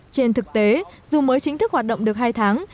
trên thực tế dù mới chính thức hoạt động được hai tháng